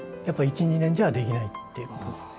やっぱ１２年じゃできないっていうことです。